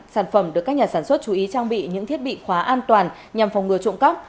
sản phẩm được các nhà sản xuất chú ý trang bị những thiết bị khóa an toàn nhằm phòng ngừa trộm cắp